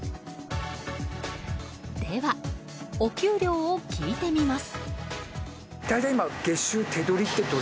では、お給料を聞いてみます。